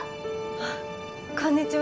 あっこんにちは。